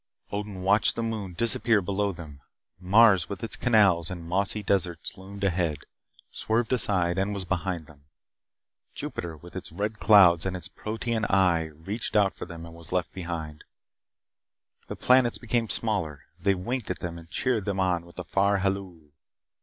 Odin watched the moon disappear below them. Mars with its canals and mossy deserts loomed ahead swerved aside, and was behind them, Jupiter with its red clouds and its protean "eye" reached out for them and was left behind. The planets became smaller. They winked at them and cheered them on with a far halloo.